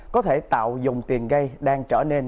có thể tạo dòng tiền gây đang trở nên